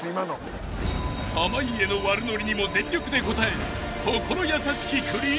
［濱家の悪ノリにも全力で応える］